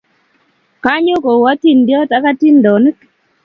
Kanyo ko u atindiot ab atindonik